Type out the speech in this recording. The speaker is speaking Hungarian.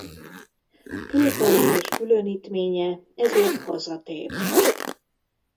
Clayton és különítménye ezért hazatér.